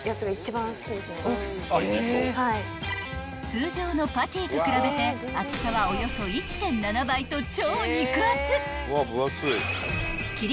［通常のパティと比べて厚さはおよそ１．７倍と超肉厚］